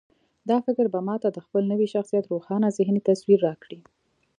دا فکر به ما ته د خپل نوي شخصيت روښانه ذهني تصوير راکړي.